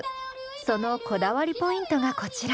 そのこだわりポイントがこちら。